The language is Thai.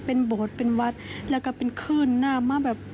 เป็นโบสถ์เป็นวัดแล้วก็เป็นคลื่นหน้ามาแบบ